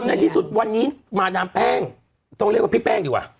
ในที่สุดวันนี้มาดามแป้งต้องเรียกว่าพี่แป้งดีกว่า